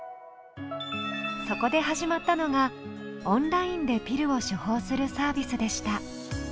そこで始まったのがオンラインでピルを処方するサービスでした。